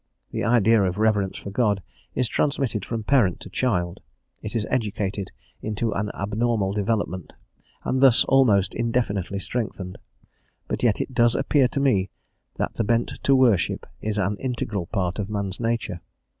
The idea of reverence for God is transmitted from parent to child; it is educated into an abnormal development, and thus almost indefinitely strengthened; but yet it does appear to me that the bent to worship is an integral part of man's nature.